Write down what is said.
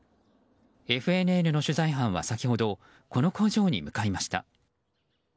ＦＮＮの取材班は先ほどこの工場に向かいました。